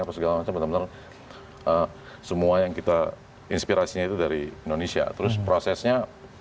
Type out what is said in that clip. apa segala macam benar benar semua yang kita inspirasinya itu dari indonesia terus prosesnya